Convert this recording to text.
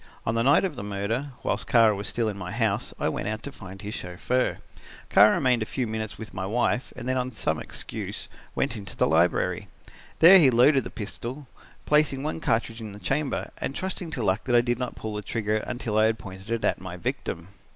On the night of the murder, whilst Kara was still in my house, I went out to find his chauffeur. Kara remained a few minutes with my wife and then on some excuse went into the library. There he loaded the pistol, placing one cartridge in the chamber, and trusting to luck that I did not pull the trigger until I had it pointed at my victim.